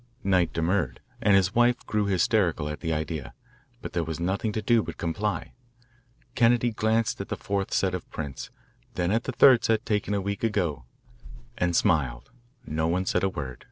Knight demurred, and his wife grew hysterical at the idea, but there was nothing to do but comply. Kennedy glanced at the fourth set of prints, then at the third set taken a week ago, and smiled. No one said a word.